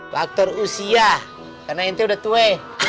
faktor usia karena ini udah tua